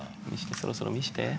そろそろ見せて。